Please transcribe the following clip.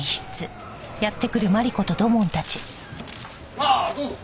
ああどうぞ。